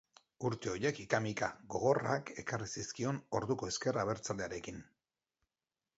Urte horiek ika-mika gogorrak ekarri zizkion orduko Ezker Abertzalearekin.